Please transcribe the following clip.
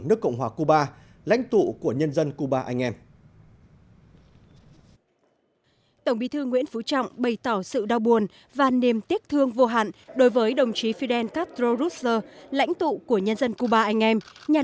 nước cộng hòa cuba lãnh tụ của nhân dân cuba anh em